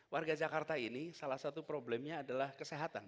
warga jakarta ini salah satu problemnya adalah kesehatan